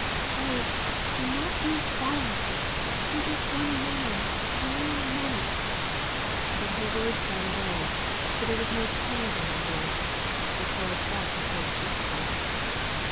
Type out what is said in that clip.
"Oh, do not use violence! He is one man, and you are many;" but her words died away, for there was no tone in her voice; it was but a hoarse whisper.